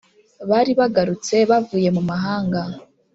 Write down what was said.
bari bagarutse bavuye mu mahanga